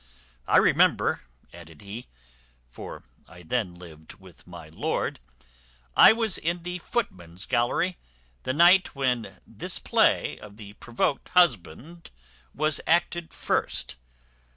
"I remember," added he, "(for I then lived with my lord) I was in the footman's gallery, the night when this play of the Provoked Husband was acted first.